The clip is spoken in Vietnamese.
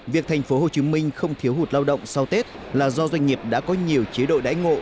việc tp hcm không thiếu hụt lao động sau tết là do doanh nghiệp đã có nhiều chế độ đáy ngộ